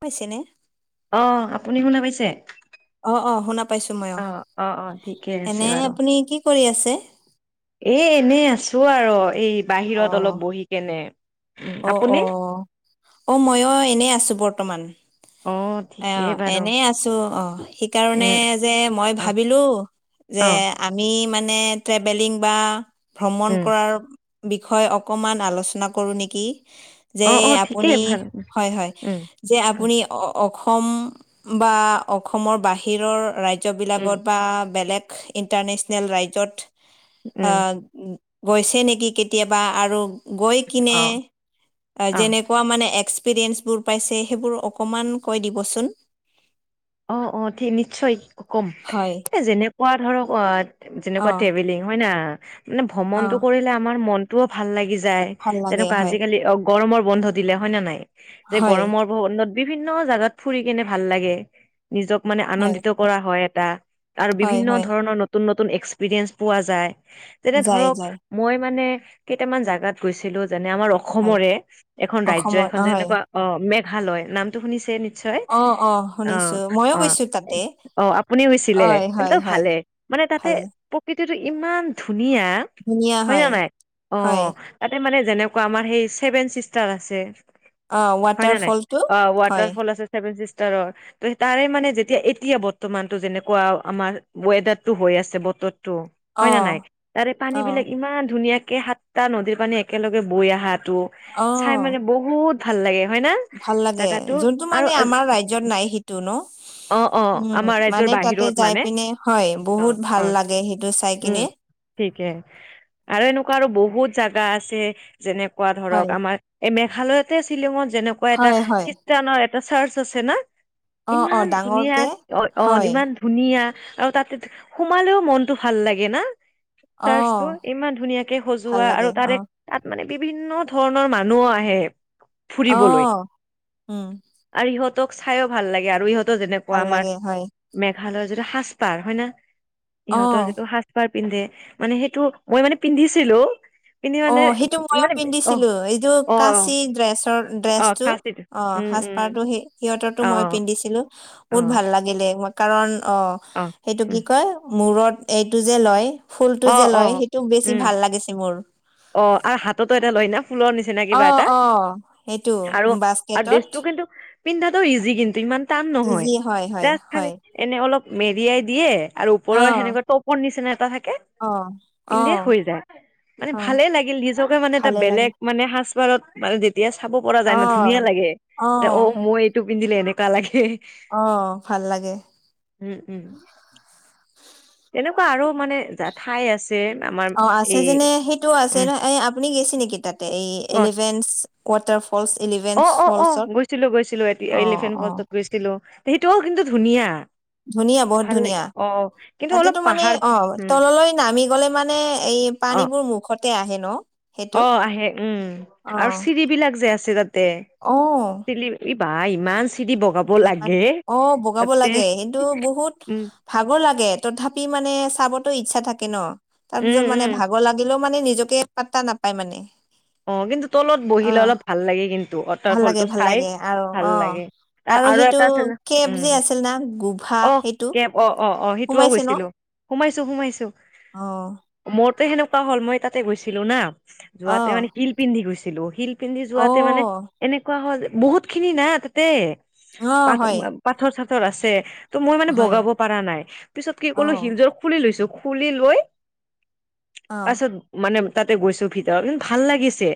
পাইছে নে? অ', আপুনি শুনা পাইছে? অ', অ', শুনা পাইছো মই, অ অ', অ', ঠিকে আছে এনে বাৰু। আপুনি কি কৰি আছে? এ, এনেই আছো আৰু, এই বাহিৰত অ', অলপ বহি কেনে। উম, অ', আপুনি? অ', অ', মইয়ো এনেই আছো বৰ্তমান। অ। ঠিকেই অ', বাৰু। এনে আছো অ, সেইকাৰণে উম, যে মই অ', ভাবিলো অ', যে- আমি মানে, ট্ৰেভেলিং বা ভ্ৰমণ উম, কৰাৰ- বিষয়, অকমান আলোচনা কৰো নেকি? যে অ', অ', ঠিকেই আপুনি, ভাল হয়, হয়, উম। যে আপুনি- অসম বা অসমৰ বাহিৰৰ উম, ৰাজ্যবিলাকত বা বেলেগ- ইণ্টাৰনেশ্যনেল ৰাইজত, উম, আহ, গৈছে নেকি কেতিয়াবা আৰু? গৈ অ'। কিনে, অ', যেনেকুৱা মানে এক্সপিৰিয়েঞ্চবোৰ পাইছে, সেইবোৰ অকণমান- কৈ দিবচোন। অ', অ', ঠিক নিশ্চয় কম। হয়। যেনেকুৱা ধৰক অ যেনেকুৱা ট্ৰভেলিং হয় নাহ মানে অ ভ্ৰমণটো কৰিলে আমাৰ মন- [unintelligible] ভাল লাগি যায়, ভাল লাগে যেনেকুৱা হয় আজিকালি অ, গৰমৰ বন্ধ দিলে হয় ন নাই, যে হয় গৰমৰ- ভ্ৰমনত, বিভিন্ন জাগাত ফুৰি কেনে ভাল লাগে। নিজক মানে হয় আনন্দিত কৰা হয় এটা, আৰু হয় বিভিন্ন হয় ধৰণৰ- নতুন নতুন এক্সপিৰিয়েন্ঞ্চ পোৱা যায়, এতিয়া যায় ধৰক- যায় মই মানে, কেইটামান জোগাত গৈছিলো যেনে আমাৰ- হয় অসমৰে, এখন ৰাজ্য অসমৰ এখন অ হয় যেনেকুৱা অ, মেঘালয় নামটো শুনিছে নি- অ', অ', শুনিছো। ময়ো অ', গৈছো তাতে অ', আপুনি [unintelligible] হয় হয় এ হয় ভালে মানে তাতে- ভালে তেতিয়ো ইমান ধুনীয়া, হয় ন নাই, হয় অ- তাতে মানে যেনেকুৱা আমাৰ সেই ছেভেন চিষ্টাৰ আছে অ হয় ৱাটাৰ নে নাই ফলটো অ হয় ৱাটাৰ ফল আছে ছেভেন চিষ্টাৰৰ ত তাৰে মানে যেতিয়া এতিয়া বৰ্তমানটো যেনেকুৱা আমাৰ ৱেডাৰটো হৈ আছে বতৰটো অ হয় না নাই তাৰে পানী অ বিলাক ইমান ধুনীয়াকে সাতটা নদীৰ পানী একেলগে বৈ আহাটো অ চাই মানে বহুত ভাল লাগে হয় না ভাল লাগে জাগাটো যোনটো আৰু মানে আমাৰ ৰাজ্যত নাই সেইটো ন অ অ উম আমাৰ ৰাজ্যৰ মানে তাতে বাহিৰত যাই মানে পিনে হয় অ বহুত ভাল অ লাগে সেইটো চাই উম কিনে ঠিকে আৰু এনেকুৱা আৰু বহুত জাগা আছে যেনেকুৱা হয় ধৰক আমাৰ এই মেঘালয়তে শ্বিলঙত যেনেকুৱা এটা হয় হয় খ্ৰীষ্টানৰ এটা চাৰ্চ আছে না অ অ ইমান দা ধুনীয়া অ অ ইমান ধুনীয়া আৰু তাতে সোমালেও মনটো ভাল লাগে না অ চাৰ্চটো ইমান ধুনীয়াকে ভাল সজোৱা লাগে আৰু অ তাৰে তাত মানে বিভিন্ন ধৰণৰ মানুহ আহে অ ফুৰিবলৈ উম আৰু ইহঁতক চাইও ভাল লাগে আৰু ইহঁতো যেনেকুৱা ভাল আমাৰ লাগে হয় মেঘালয়ৰ যিটো সাজপাৰ হয় ন অ ইহতৰ যিটো সাজ বাৰ পিন্ধে মানে সেইটো মই মানে পিন্ধিছিলো পিন্ধি অ মানে সেইটো ময়ো মানে অ পিন্ধিছিলো এইটো অ কাচি ড্ৰেছৰ অ ড্ৰেছটো খাচীটো অ উম উম সাজপাৰতো সি সিহঁতৰতো অ মই পিন্ধিছো লো অ বহুত ভাল লাগিলে কাৰণ অ সেইটো কি কয় মুৰত এইটো যে লয় ফুলটো অ যে অ লয় সেইটো বেছি উম ভাল লাগিছে মোৰ অ আৰু হাততো এটা লয় না ফুলৰ নিচিনা না অ কিবা এটা অ সেইটো আৰু বাস্কেটত ড্ৰেছটো কিন্তু পিন্ধাটো ইজি কিন্তু ইমান টান নহয় ইজি হয় হয় হয় [unintelligible] এনে অলপ মেৰিয়াই দিয়ে আৰু অ ওপৰৰ সেনেকুৱা টপৰ নিচিনা এটা থাকে অ পিন্ধে আহ্। হৈ যায় মানে ভালে লাগিল নিজকে মানে এটা বেলেগ মানে সাজ পাৰৰ মানে এতিয়া চাব পৰা অ যায় ন ধুনীয়া লাগে যে অ মই এইটো পিন্ধিলে এনেকুৱা লাগে। অ ভাল লাগে। উম উম। এনেকুৱা আৰু মানে যে ঠাই আছে। যেন আমাৰ। অ আছে এই যেনে সেইটোও আছে উম নহ এই আপুনি গেছে নেকি তাতে এই কত এলিফেন্টছ ৱাটাৰ ফ ফলছ ইলেভেন অ অ অ গৈছিলো গৈছিলো এতিয়া এলিফেণ্ট অ ফলটত গৈছিলো সেইটোও কিন্তু ধুনীয়া। ধুনীয়া বহুত ভাল লাগে ধুনীয়া অ কিন্তু অলপ তাতেতো মানে পাহাৰ অ উম তললৈ নামি তললৈ মানে এই অ পানীবোৰ মুখতে আহে ন। সেইটো অ আহে উম অ আৰু চিৰি বিলাক যে আছে তাতে অ চিৰি এই বা ইমান চি ইমান অ বগাব লাগে কিন্তু বহুত উম ভাগৰ লাগে তথাপি মানে চাবতো ইচ্ছা থাকে ন তাৰ উম পিছত মানে উম ভাগৰ লাগিলেও মানে নিজকে পাত্তা নাপায় মানে। অ কিন্তু তলত অ বহিলে অলপ ভাল লাগে কিন্তু ৱাটাৰ ভাল লাগে ফলটো ভাল চাই লাগে আৰু ভাল অ লাগে তাৰ আৰু এটা আছে ন‌ কেব উম যে আছিল না গুভা অ সেইটো কেব অ অ অ সেইটোও সোমাইছে ন গৈছিলোঁ। সোমাইছোঁ সোমাইছোঁ। অ মোৰতো সেনেকুৱা হ'ল মই তাতে গৈছিলো না অ যোৱাতে মানে হিল পিন্ধি গৈছিলো শিল পিন্ধি অ যোৱাতে মানে এনেকুৱা হয় বহুত খিনি না তাতে অ প হয় [unintelligible] পাথৰ-চাথৰ আছে ত' মই মানে হয় বগাব পৰা নাই পিছত কি অ কলো হিলযোৰ খুলি লৈছো খুলি লৈ অ পাছত মানে তাতে গৈছো ভিতৰত ইমান ভাল লাগিছে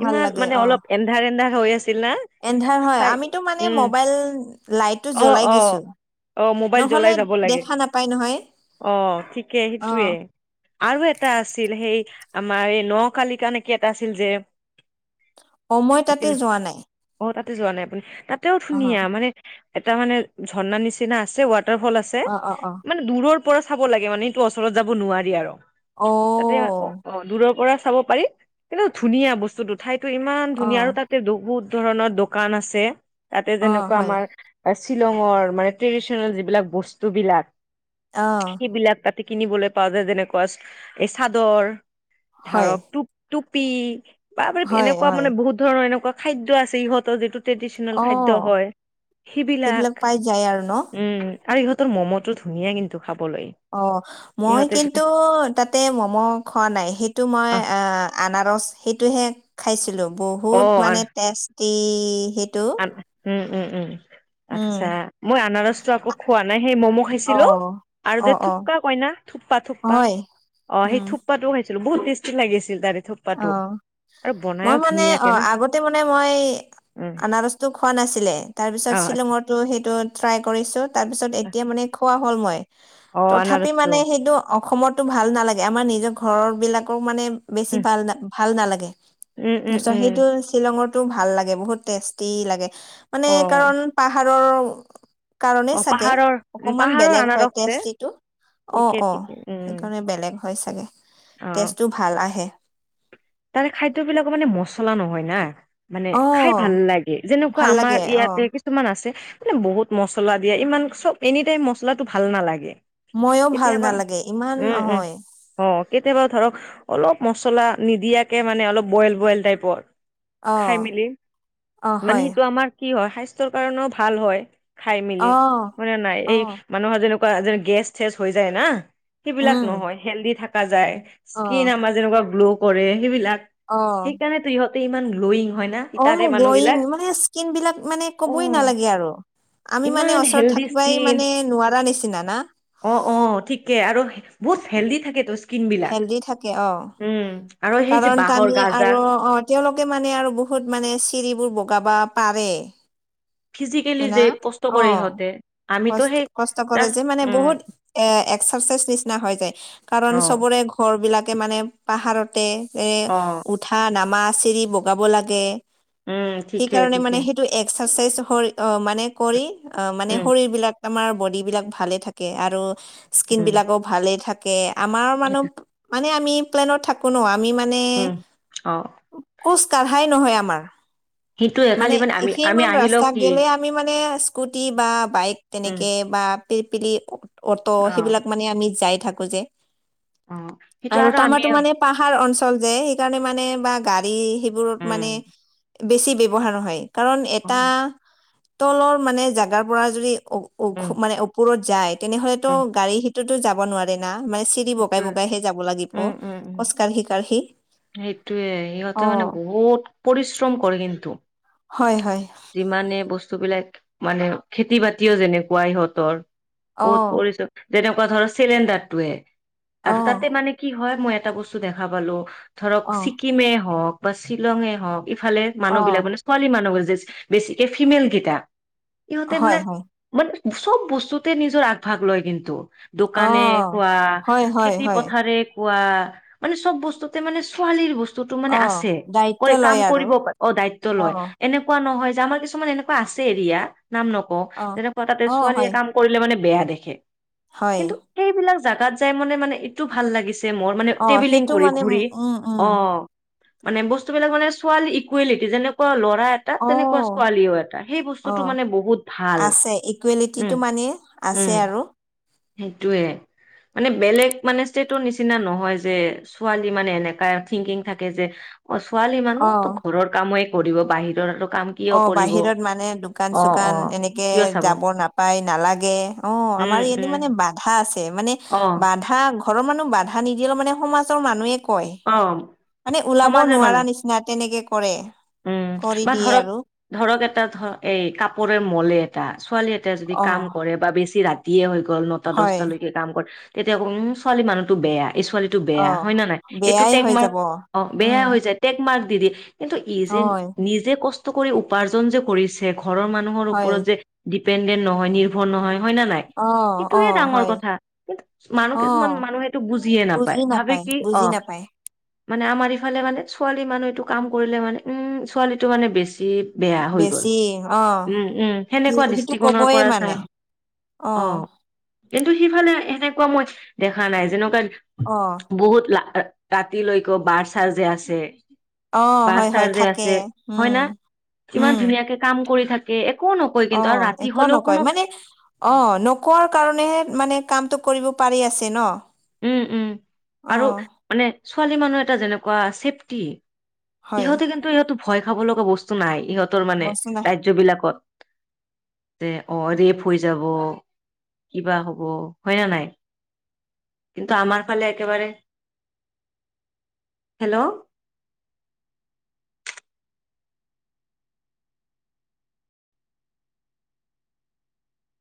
ভাল ইমান লাগে মানে অ অলপ এন্ধাৰ এন্ধাৰ হৈ আছিল না এন্ধাৰ হয় চাই আমিতো মানে উম মবাইল লাইটটো অ অ জ্বলাই দিছো। অ ', মোবাইল নহ'লে জ্বলাই যাব লাগে দেখা নাপায় নহয় অ ঠিকে অ সেইটোৱে। আৰু এটা আছিল সেই আমাৰ এই ন কালিকা নেকি এটা আছিল যে। অ মই তাতে আছিল যোৱা নাই। অ তাতে যোৱা নাই আপুনি তাতেও অ ধুনীয়া মানে এটা মানে ঝৰ্ণা নিচিনা আছে ৱাটাৰফল আছে। অ অ অ মানে দূৰৰ পৰা চাব লাগে মানে সিটো ওচৰত যাব নোৱাৰি আৰু। অ তাতে অ অ দূৰৰ পৰা চাব পাৰিম কিন্তু ধুনীয়া বস্তুটো ঠাইতো ইমান অ ধুনীয়া আৰু তাতে বহুত ধৰণৰ দোকান আছে তাতে অ যেনেকুৱা হয় আমাৰ শ্বিলঙৰ মানে ট্ৰেডিচনেল যিবিলাক বস্তুবিলাক। আহ্। বিলাক তাতে কিনিব পাৱ যায় যেনেকুৱা যে এই চাদৰ হয় ধাৰক টু টুপি বা হয় এনেকুৱা হয় মানে বহুত ধৰণৰ এনেকুৱা খাদ্য আছে ইহঁতৰ যিটো ট্ৰেডিচনেল অ খাদ্য হয় সেইবিলাক, পাই যায় আৰু ন উম। আৰু ইহঁতৰ ম'মটো ধুনীয়া কিন্তু খাবলৈ। অ, ' মই ইহঁতে কিন্তু তাত তাতে ম'ম খোৱা নাই সেইটো মই আনাৰস সেইটোহে খাইছিলো অ বহুত মানে টেষ্টি সেইটো আ উম উম উম। উম আচ্ছা মই আনাৰসটো আকৌ খোৱা নাই সেই ম'ম' অ খাইছিলো আৰু অ যে অ থোপ্পা কয় না থোপ্পা থোপ্পা হয় অ সেই উম থোপ্পাটো খাইছো বহুত টেষ্টি লাগিছিল তাৰে অ থুপপাটো আৰু মই বনাইও মানে অ ধুনীয়াকে না আগতে মানে মই উম আনাৰস খোৱা নাছিলে তাৰ পিছত অ শ্বিলঙৰত সেইটো ট্ৰাই কৰিছো তাৰপিছত এতিয়া মানে কোৱা হ'ল মই অ তথাপি আনাৰসটো মানে সেইটো অসমতো ভাল নালাগে আমাৰ নিজৰ ঘৰৰ বিলাকও মানে বেছি উম ভাল ভাল নালাগে উম উম তাৰপিছত উম সেইটো শ্বিলঙত ভাল লাগে বহুত টেষ্টি লাগে মানে অ কাৰণ পাহাৰৰ কাৰণেই অ চাগে পাহাৰৰ উ অকমান পাহাৰৰ বেলেগ হয় আনাৰস যে টেষ্টিটো অ ঠিকে অ ঠিকে উম সেইকাৰণে বেলেগ হয় চাগে অ টেষ্টটো ভাল আহে। তাৰে খাদ্য বিলাকৰ মানে মচলা নহয় না মানে অ খাই ভাল লাগে যেনেকুৱা ভাল লাগে আমাৰ অ ইয়াতে কি কিছুমান আছে মানে বহুত মছলা দিয়ে ইমান চব এনি টাইম মচলাটো ভাল নালাগে। মইও ভাল কেতিয়াবা নালাগে ইমান উম উম নহয়। অ কেতিয়াবা ধৰক অলপ মছলা নিদিয়াকে মানে অলপ বইল বইল টাইপৰ অ খাই মেলি অ মানে হয় সেইটো আমাৰ কি হয় স্বাস্থ্যৰ কাৰণেও ভাল হয় খাই অ মেলি মানে নাই অ এই মানুহৰ যেনেকুৱা যে গেছ চেছ হৈ যায় না সেইবিলাক উম নহয় হেলডি থকা যায়। অ স্কিন আমাৰ যেনেকুৱা গ্ল' কৰে সেইবিলাক অ সেইকাৰণে তো ইহঁতে ইমান গ্ল'য়িং হয় না অ তাৰে মানুহ গ্লয়িং বিলাক মানে স্কিন বিলাক মানে অ কবই নালাগে আৰু আমি মানে ইমান ওচৰত হেল্ডি থাকিবাই স্কিন মানে নোৱাৰা নিচিনা না অ অ ঠিকে আৰু বহুত হেল্ডি থাকে ত হেল্ডি থাকে অ আৰু সেই যে কাৰণ বাঁহৰ তামি গাজা আৰু অ তেওঁওলোকে মানে আৰু বহুত মানে চিৰিবোৰ বগাবা পাৰে ফিজিকেলি হয় না যে কষ্ট অ কৰে ইহঁতে আমিতো কষ্ট সেই কষ্ট কৰে জাষ্ট যে মানে উম বহুত এ এক্সাৰচাইজ নিচিনা হৈ যায় কাৰণ অ চবৰে ঘৰ বিলাকে মানে পাহাৰতে যেনে অ উঠা নামা চিৰি বগাব লাগে। উম ঠিকে সেইকাৰণে ঠিকে মানে সেইটো এক্সাৰচাইজ মানে কৰি আহ মানে উম, শৰীৰ বিলাক আমাৰ বডী বিলাক ভালে থাকে আৰু স্কিন উম, বিলাকো ভালে থাকে আমাৰ মানুহ সেইটো মানে আমি প্লেনত থাকো ন আমি মানে উম, অ', কোচ কাঢ়াই নহয় আমাৰ সেইটোয়ে খালি মানে আমি আমি সেইমান আহিলেও ৰাস্তা কি গেলে আমি মানে স্কুটি বা বাইক উম, তেনেকে বা পপিলি অটো অ', সেইবিলাক মানে আমি যাই থাকো যে অ', সেইটো আৰু তাৰ আমি মাৰো মানে পাহাৰ অঞ্চল যে সেইকাৰণে মানে বা গাড়ী সেইবোৰত উম, মানে বেছি ব্যৱহাৰ নহয় কাৰণ অ, এটা তলৰ মানে জাগাৰ পৰা যদি উম, মানে ওপৰত যায় তেনেহলেতো উম, গাড়ী হিটোতো যাব নোৱাৰে না মানে চি দি বগাই সেইটোৱে। বগাইহে যাব লাগিব খোজ কাঢ়ি কাঢ়ি সেইটোৱে অ ইহঁতে মানে বহুত পৰিশ্ৰম কৰে কিন্তু হয় হয়। যিমানে বস্তুবিলাক মানে খেতি বাতিও যেনেকুৱাই ইহঁতৰ অ বহুত পৰিচয় যেনেকুৱা ধৰ চিলিণ্ডাৰ টোৱে অ আৰু তাতে মানে কি হয় মই এটা বস্তু দেখা পালো ধৰক অ ছিকিমে হওক বা শ্বিলঙে হওঁক ইফালে অ মানুহ বিলাক মানে ছোৱালী মানুহব যে বেছিকে ফিমেল কেইটা ইহঁতে হয় হয় মানে চব বস্তুতে নিজৰ আগভাগ লয় কিন্তু দোকানে অহ, কোৱা হয়, হয়, খেতি হয়। পথাৰে কোৱা মানে চব বস্তুতে মানে ছোৱালীৰ বস্তু বেতু মানে অহ, আছে দায়িত্ব কাম লয় আৰু। কৰিব অ', দায়িত্ব অহ, এনেকুৱা নহয় যে আমাৰ কিছুমান এনেকুৱা আছে এৰিয়া নাম নক অহ, তেনেকুৱা তাতে অহ, ছোৱালীয়ে হয়, কাম কৰিলে মানে বেয়া দেখে হয়। কিন্তু। সেইবিলাক জাগাত যাই মানে, মানে এইটো ভাল লাগিছে। মোৰ মানে অহ, ট্ৰেভেলিং সেইটো কৰি ঘূৰি মানে উম, ফুৰি উম, উম। অ'। মানে বস্তুবিলাক মানে ছোৱালী ইকুৱেলিটি যেনেকুৱা ল'ৰা এ তেনেকুৱা অহ, ছোৱালীও এটা সেই বস্তুটো অহ, মানে বহুত ভাল আছে ইকুৱেলিটিটো উম মানে উম আছে আৰু। সেইটোয়ে মানে বেলেগ মানে ষ্টেটৰ নিচিনা নহয় যে ছোৱালী মানে এনেকা থিংকিং থাকে যে অ', ছোৱালী মানুহ অহ, তো ঘৰৰ কাময় কৰিব বাহিৰৰো কাম কিয় অ', কৰিব বাহিৰত মানে দোকান অ অ চোকান এনেকে কিয় চাব যাব নাপায় নালাগে অ', উম আমাৰ ইয়াতে উম মানে বাঘ বাধা আছে মানে অ বাধা ঘৰৰ মানুহ বাধা নিদিলেও মানে সমাজৰ মানুহে কয়। অ'। মানে ওলাব সমাজৰ নোৱাৰা মানুহ নিচিনা তেনেকে কৰে। উম কৰি বা দিয়ে ধৰক আৰু। ধৰক এটা ধৰ এই কাপোৰে ম'লে এটা ছোৱালী এটা এয়া যদি অহ, কাম কৰে বা বেছি ৰাতিয়ে হৈ গ'ল নটা হয়। দহটা লৈকে কাম কৰ তেতিয়া উম ছোৱালী মানুহতো বেয়া এই ছোৱালী টো অ বেয়া হয় ন নাই এইটো বেয়াই টেগ হৈ মাৰ্ক যাব অ', বেয়া উম হৈ যায়। টেক মাৰ্ক দি দিয়ে কিন্তু ই যে হয় নিজে কষ্ট কৰি উপাৰ্জন যে কৰিছে ঘৰৰ মানুহে ঘৰৰ মানুহৰ হয় ওপৰত ডিপেন্দন নহয় নিভ নিৰ্ভৰ নহয় হয় ন নাই অ অ সেইটোয়ে ডাঙৰ হয় কথা কিন্তু অ মানুহ কিছুমান মানুহে বুজিয়ে বুজি নাপায় ভাবে কি অ' বুজি নাপায় মানে আমাৰ ইফালে মানে ছোৱালী মানুহ এইটো কাম কৰিলে মানে উম ছোৱালীটো মানে বেছি বেয়া হৈ গ'ল বেছি অ উম, উম সেই সেনেকুৱা সেইটো দৃষ্টিকণৰ কবয়ে পৰা মানে চাই অ'। কিন্তু সিফালে সেনেকুৱা মই দেখা নাই অ যেনেকুৱা বহুত ল ৰাতিলৈকে লৈক বাৰ চাৰ যে আছে অ'। হয় হয় তাৰ যে থাকে আছে হয় উম না উম ইমান ধুনীয়াকে কাম কৰি থাকে একো নকয় অ কিন্তু আৰু ৰাতি একো হ'লেও নকয় কোনো মানে অ', নোকোৱাৰ কাৰণেহে মানে কামটো কৰিব পাৰি আছে ন। উম, উম অ আৰু মানে ছোৱালী মানুহ এটা যেনেকুৱা চেফটি হয় ইহঁতে কিন্তু ইয়াতো ভয় খাব লগা বস্তু নাই ইহঁত ইহঁতৰ মানে বস্তু না ৰাজ্য বিলাকত তে অ', ৰেপ হৈ যাব কিবা হ'ব হয় নে নাই। কিন্তু আমাৰ ফালে একেবাৰে হেল্ল'।